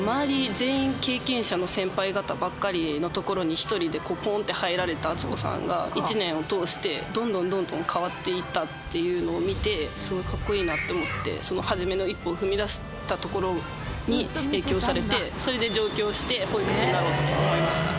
全員経験者の先輩方ばっかりのところに１人でぽんと入られたあつこさんが、１年を通して、どんどんどんどん変わっていったっていうのを見て、すごいかっこいいなって思って、そのはじめの一歩を踏み出したところに、影響されて、それで上京して、保育士になろうと思いました。